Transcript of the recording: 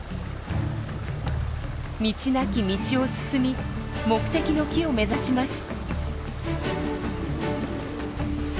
道なき道を進み目的の木を目指します。